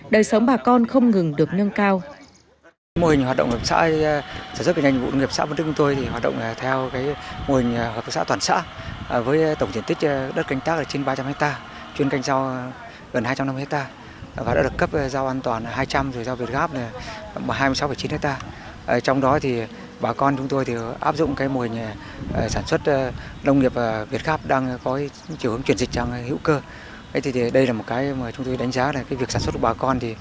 đời sống bà con không ngừng được nâng cao